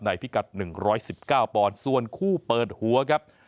พิกัด๑๑๙ปอนด์ส่วนคู่เปิดหัวครับ